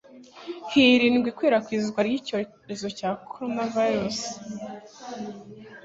hirindwa ikwirakwizwa ry'icyorezo cya Coronavirus.